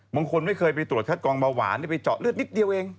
บางคนไม่เคยไปตรวจคัดกองเบาหวานไปเจาะเลือดนิดเดียวเอง